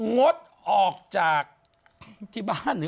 งดออกจากที่บ้าน